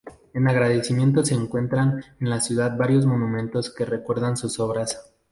En agradecimiento se encuentran en la ciudad varios monumentos que recuerdan sus obras.